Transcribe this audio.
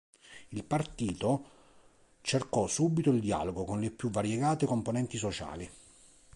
Il partito cercò subito il dialogo con le più variegate componenti sociali.